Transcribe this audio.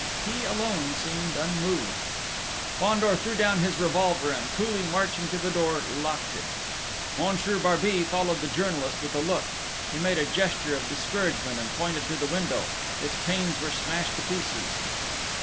He alone seemed unmoved. Fandor threw down his revolver and, coolly marching to the door, locked it. Monsieur Barbey followed the journalist with a look. He made a gesture of discouragement and pointed to the window: its panes were smashed to pieces.